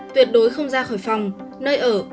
tuyệt đối không ra khỏi phòng nơi ở